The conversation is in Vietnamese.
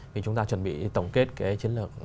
thì chúng ta chuẩn bị tổng kết cái chiến lược